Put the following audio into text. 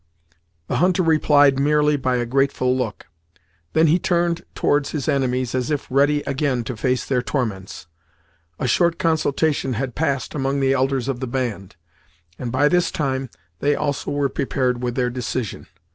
The hunter replied merely by a grateful look. Then he turned towards his enemies, as if ready again to face their torments. A short consultation had passed among the elders of the band, and by this time they also were prepared with their decision.